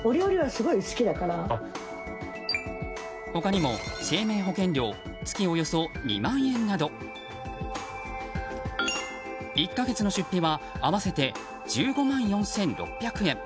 他にも、生命保険料月およそ２万円など１か月の出費は合わせて１５万４６００円。